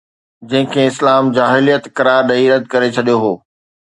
جنهن کي اسلام جاهليت قرار ڏئي رد ڪري ڇڏيو هو.